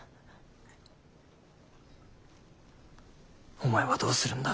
お前はどうするんだ。